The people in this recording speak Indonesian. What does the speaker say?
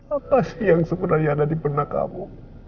apa sih yang sebenarnya ada di benak kamu